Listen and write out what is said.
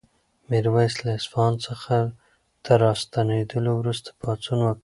میرویس له اصفهان څخه تر راستنېدلو وروسته پاڅون وکړ.